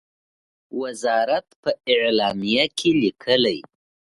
وزارت په اعلامیه کې لیکلی،